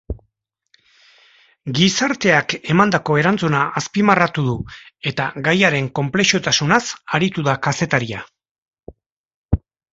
Gizarteak emandako erantzuna azpimarratua du eta gaiaren konplexutasunaz aritu da kazetaria.